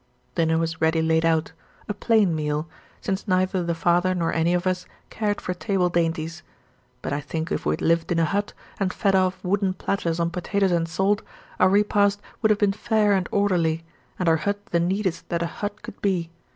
Dinner was ready laid out a plain meal; since neither the father nor any of us cared for table dainties; but I think if we had lived in a hut, and fed off wooden platters on potatoes and salt, our repast would have been fair and orderly, and our hut the neatest that a hut could be.